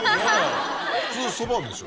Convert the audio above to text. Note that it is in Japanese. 普通そばでしょ。